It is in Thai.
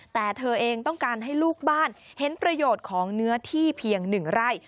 แต่เธอเองต้องการให้ลูกบ้านเห็นประโยชน์ของเนื้อที่เพียง๑ไร่